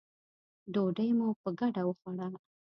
ډوډۍ مو په ګډه وخوړه.